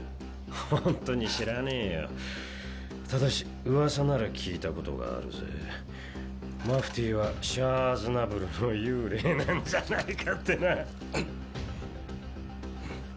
ほんとに知らねえよただしうわさなら聞いたことがあるぜマフティーはシャア・アズナブルの幽霊なんじゃないかってなくっ！